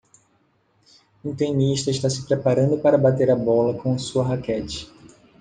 Um tenista está se preparando para bater a bola com sua raquete